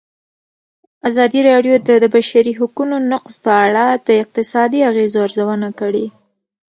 ازادي راډیو د د بشري حقونو نقض په اړه د اقتصادي اغېزو ارزونه کړې.